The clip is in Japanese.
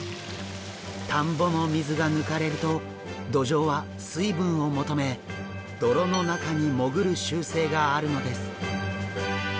田んぼの水が抜かれるとドジョウは水分を求め泥の中に潜る習性があるのです。